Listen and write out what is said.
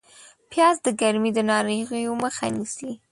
پیاز د ګرمۍ د ناروغیو مخه نیسي